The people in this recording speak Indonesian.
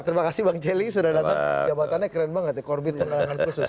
terima kasih bang celi sudah datang jabatannya keren banget ya korbit penanganan khusus